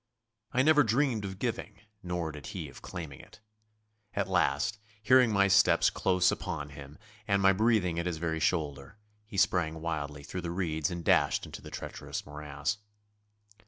I never dreamed of giving nor did he of claiming it. At last, hearing my steps close upon him and my breathing at his very shoulder, he sprang wildly through the reeds and dashed into the treacherous morass.